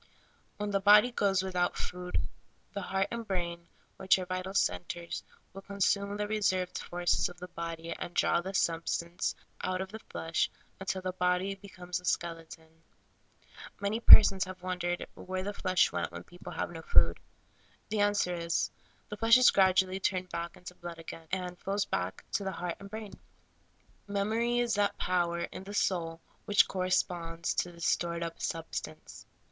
When the body goes without food, the heart and brain, which are vital centers, will consume the reserved forces of the body and draw the substance out of the flesh until the body becomes a skeleton. Many persons have w^ondered where the flesh went when people have no food. The answer is, 8 SOUL FOOD. the flesh is gradually turned back into blood again, and flows back to the heart and brain. Memory is that power in the soul which corresponds to this stored up substance.